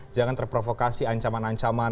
jangan terprovokasi ancaman ancaman